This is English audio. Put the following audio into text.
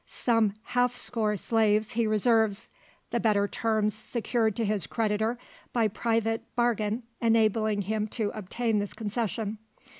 Some half score slaves he reserves; the better terms secured to his creditor by private bargain enabling him to obtain this concession.